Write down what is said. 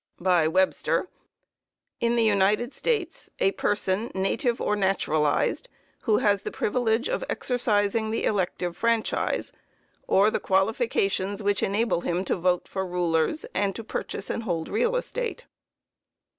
By Webster "In the United States, a person, native or naturalized, who has the privilege of exercising the elective franchise, or the qualifications which enable him to vote for rulers, and to purchase and hold real estate."